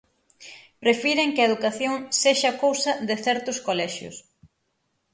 Prefiren que a educación sexa cousa de certos colexios.